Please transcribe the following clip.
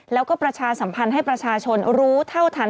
แล้วก็ประชาสัมพันธ์ให้ประชาชนรู้เท่าทัน